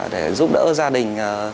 để giúp đỡ gia đình